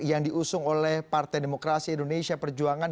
yang diusung oleh partai demokrasi indonesia perjuangan